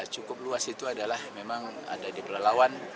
cukup luas itu adalah memang ada di pelalawan